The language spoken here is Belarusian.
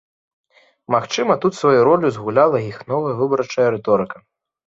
Магчыма тут сваю ролю згуляла іх новая выбарчая рыторыка.